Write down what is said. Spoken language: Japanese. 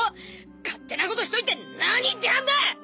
勝手なことしといて何言ってやがんだッ！